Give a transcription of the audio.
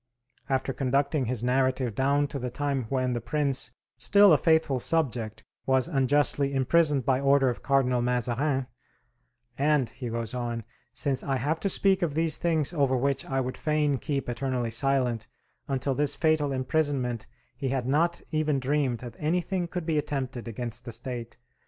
After conducting his narrative down to the time when the Prince, still a faithful subject, was unjustly imprisoned by order of Cardinal Mazarin, "And," he goes on, "since I have to speak of these things over which I would fain keep eternally silent, until this fatal imprisonment he had not even dreamed that anything could be attempted against the State....